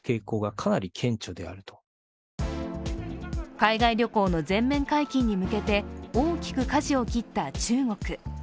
海外旅行の全面解禁に向けて大きくかじを切った中国。